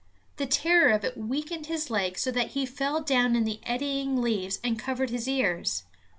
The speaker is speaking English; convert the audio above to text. The terror of it weakened his legs so that he fell down in the eddying leaves and covered his ears.